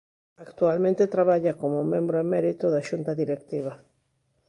Actualmente traballa como membro emérito da xunta directiva.